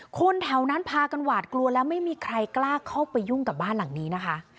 คนแถวนั้นพากันหวาดกลัวแล้วไม่มีใครกล้าเข้าไปยุ่งกับบ้านหลังนี้นะคะ